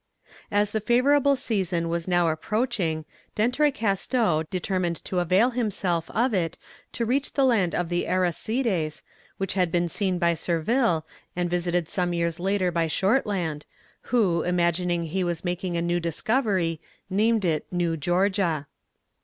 As the favourable season was now approaching, D'Entrecasteaux determined to avail himself of it to reach the land of the Arsacides, which had been seen by Surville, and visited some years later by Shortland, who, imagining he was making a new discovery, named it New Georgia.